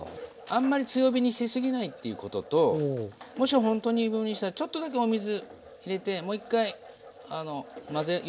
あんまり強火にし過ぎないっていうことともしほんとに分離したらちょっとだけお水入れてもう１回よく混ぜれば。